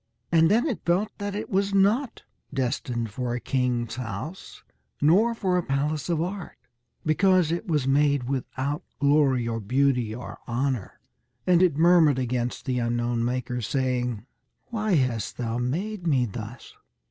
And then it felt that it was not destined for a king's house, nor for a palace of art, because it was made without glory or beauty or honour; and it murmured against the unknown maker, saying, "Why hast thou made me thus?"